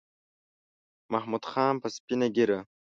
محمود خان په سپینه ګیره